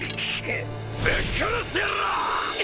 ぶっ殺してやらぁ！！